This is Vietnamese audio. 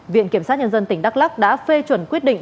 viện kiểm sát nhân dân tỉnh đắk lắc đã phê chuẩn quyết định